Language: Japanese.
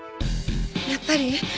やっぱり？